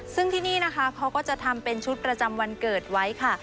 ซึ่งที่นี่นะคะเขาก็จะทำเป็นชุดประจำวันเกิดไว้ค่ะ